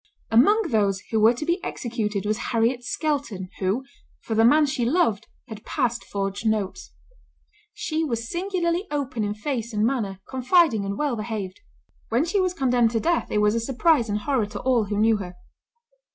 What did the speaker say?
Among those who were to be executed was Harriet Skelton, who, for the man she loved, had passed forged notes. She was singularly open in face and manner, confiding, and well behaved. When she was condemned to death, it was a surprise and horror to all who knew her.